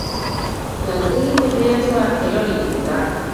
Lantegiko teilatua erori egin da.